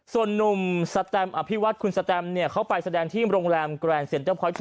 ส่วนนุ่มสแตมอภิวัตคุณสแตมเนี่ย